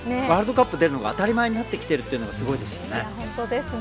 ワールドカップ出るのが当たり前になってきているのがすごいですね。